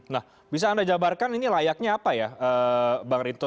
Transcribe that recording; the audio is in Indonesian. nah bisa anda jabarkan ini layaknya apa ya bang rinto